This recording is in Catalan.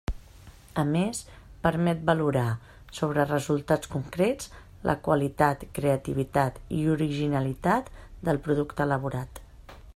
A més, permet valorar, sobre resultats concrets, la qualitat, creativitat i originalitat del producte elaborat.